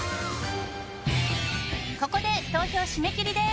ここで投票締め切りです。